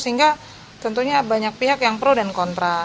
sehingga tentunya banyak pihak yang pro dan kontra